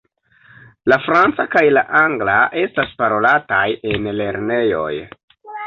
La franca kaj la angla estas parolataj en lernejoj.